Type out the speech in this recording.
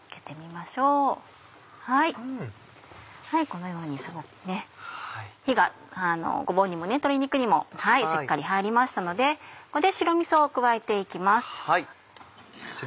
このように火がごぼうにも鶏肉にもしっかり入りましたのでここで白みそを加えて行きます。